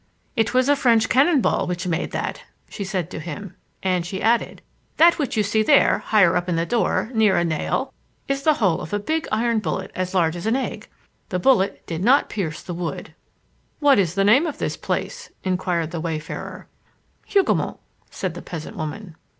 "It was a French cannon ball which made that," she said to him. And she added:— "That which you see there, higher up in the door, near a nail, is the hole of a big iron bullet as large as an egg. The bullet did not pierce the wood." "What is the name of this place?" inquired the wayfarer. "Hougomont," said the peasant woman.